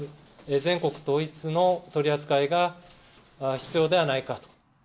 全国統一の取り扱いが必要ではないかと。